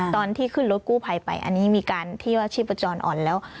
ตอนที่ขึ้นรถกู้ภัยไปอันนี้มีการที่ว่าชีพจรอ่อนแล้ว